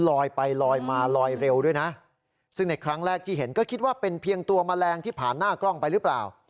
ลอยไปลอยมาลอยเร็วด้วยนะซึ่งในครั้งแรกที่เห็นก็คิดว่าเป็นเพียงตัวแมลงที่ผ่านหน้ากล้องไปหรือเปล่า